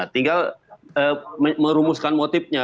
tinggal merumuskan motifnya